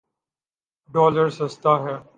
Dollar سستا ہے۔